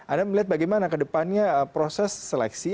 anda melihat bagaimana ke depannya proses seleksi